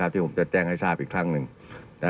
ที่ผมจะแจ้งให้ทราบอีกครั้งหนึ่ง